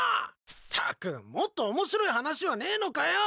ったくもっと面白い話はねえのかよ。